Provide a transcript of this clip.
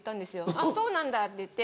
あっそうなんだって言って。